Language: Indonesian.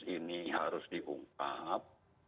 ini harus diungkap